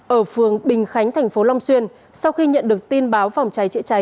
ở phường bình khánh tp long xuyên sau khi nhận được tin báo phòng cháy chữa cháy